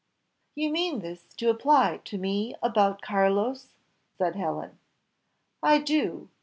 "You mean this to apply to me about Carlos?" said Helen. "I do.